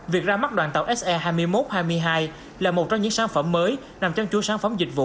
việc ra mắt đoàn tàu se hai mươi một hai mươi hai là một trong những sản phẩm mới nằm trong chú sản phẩm dịch vụ